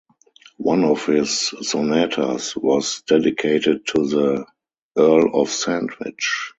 One of his sonatas was dedicated to the Earl of Sandwich.